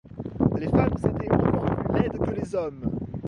Les femmes étaient encore plus laides que les hommes.